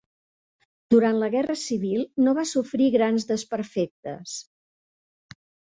Durant la Guerra Civil no va sofrir grans desperfectes.